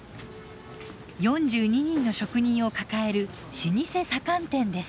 ４２人の職人を抱える老舗左官店です。